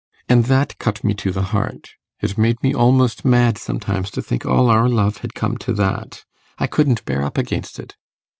And that cut me to the heart. It made me almost mad sometimes to think all our love had come to that ... I couldn't bear up against it.